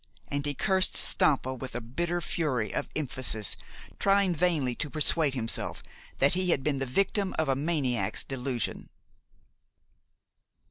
And he cursed Stampa with a bitter fury of emphasis, trying vainly to persuade himself that he had been the victim of a maniac's delusion.